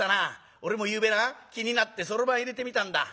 俺もゆうべな気になってそろばんいれてみたんだ。